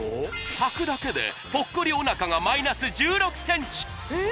はくだけでポッコリおなかがマイナス１６ｃｍえーっ